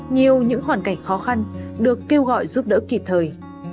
nhiều những hoàn cảnh khó khăn được kêu gọi giúp đỡ kịp thời